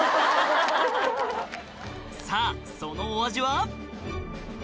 さぁそのお味は？